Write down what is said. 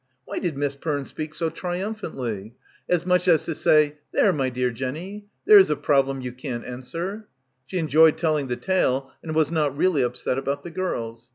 Why did Miss Perne speak so trium phantly? As much as to say There, my dear — 101 — PILGRIMAGE Jenny, there's a problem you can't answer. She enjoyed telling the tale and was not really upset about the girls.